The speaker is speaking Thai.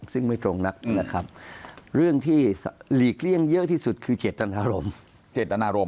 ซึ่งไม่ตรงนักเรื่องที่หลีกเลี่ยงเยอะที่สุดคือเจรตนารมณ์